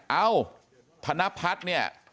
เอ้าธนพัฒน์เนี่ย